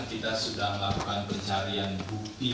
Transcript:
kita sudah melakukan pencarian bukti